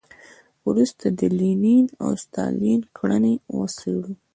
وروسته د لینین او ستالین کړنې وڅېړو.